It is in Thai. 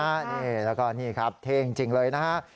นี่แล้วก็นี่ครับเท่จริงเลยนะฮะ